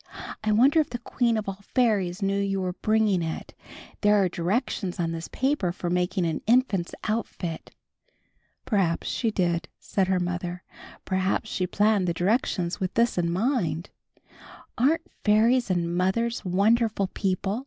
I wonder if the Queen of All Fairies knew you were bringing it? There are directions on this paper for making an infant's outfit." "Perhaps she did," said her mother. "Perhaps she planned the directions with this in mind." "Aren't fairies and mothers wonderful people?"